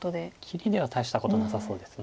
切りでは大したことなさそうです。